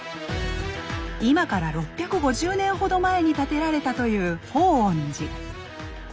今から６５０年ほど前に建てられたという報恩寺。